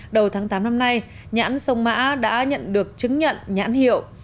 đầu tháng tám năm nay nhãn sông mã đã nhận được chứng nhận nhãn hiệu